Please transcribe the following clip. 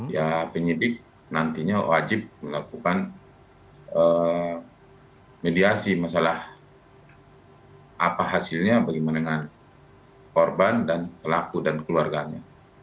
ya penyidik nantinya wajib melakukan mediasi masalah apa hasilnya bagaimana dengan korban dan pelaku dan keluarganya